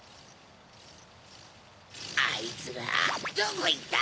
あいつらどこいった？